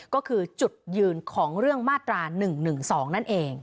ก็คือจุดยืนของเรื่องมาตรา๑๑๒นั่นเอง